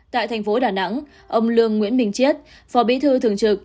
tại tp đà nẵng ông lương nguyễn bình chiết phò bí thư thường trực